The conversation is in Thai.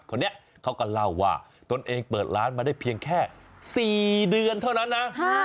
คนนี้เขาก็เล่าว่าตนเองเปิดร้านมาได้เพียงแค่๔เดือนเท่านั้นนะ